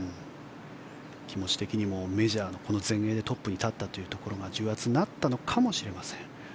気持ち的にもメジャーの全英でトップに立ったというところが重圧になったのかもしれません。